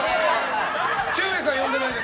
ちゅうえいさん呼んでないです。